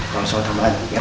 kalau soal tambahan